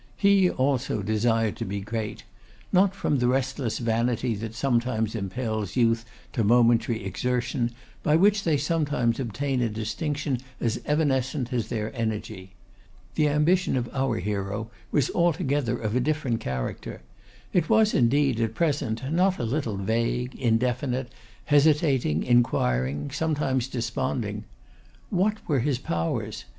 He also desired to be great. Not from the restless vanity that sometimes impels youth to momentary exertion, by which they sometimes obtain a distinction as evanescent as their energy. The ambition of our hero was altogether of a different character. It was, indeed, at present not a little vague, indefinite, hesitating, inquiring, sometimes desponding. What were his powers?